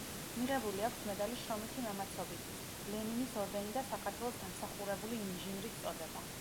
მიღებული აქვს მედალი „შრომითი მამაცობისთვის“, ლენინის ორდენი და საქართველოს დამსახურებული ინჟინრის წოდება.